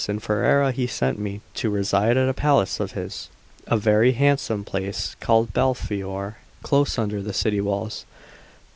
In Ferrara he sent me to reside at a palace of his, a very handsome place called Belfiore, close under the city walls.